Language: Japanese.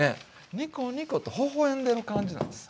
ニコニコと微笑んでる感じなんです。